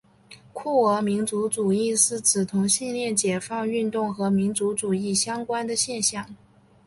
酷儿民族主义是指同性恋解放运动和民族主义相关的现象。